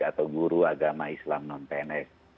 atau guru agama islam non pns